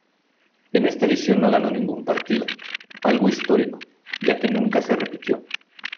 En esta edición no ganó ningún partido, algo histórico, ya que nunca se repitió.